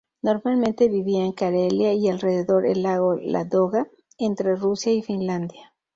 Normalmente vivía en Carelia y alrededor el lago Ladoga, entre Rusia y Finlandia.